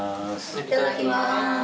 いただきます。